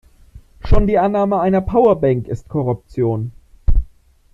Schon die Annahme einer Powerbank ist Korruption.